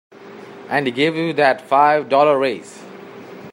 And he gave you that five dollar raise.